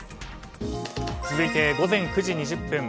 続いて、午前９時２０分。